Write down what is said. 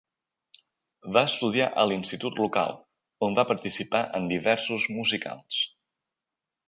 Va estudiar a l'institut local, on va participar en diversos musicals.